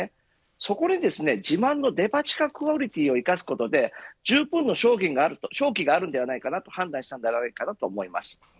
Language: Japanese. そこで自慢のデパ地下クオリティを生かすことでじゅうぶんの商品商機があると判断したと思います。